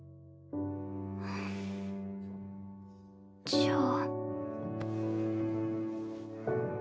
じゃあ。